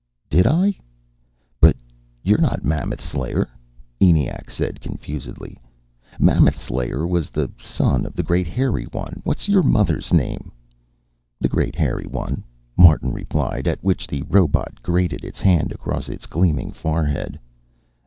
"Did I? But you're not Mammoth Slayer," ENIAC said confusedly. "Mammoth Slayer was the son of the Great Hairy One. What's your mother's name?" "The Great Hairy One," Martin replied, at which the robot grated its hand across its gleaming forehead.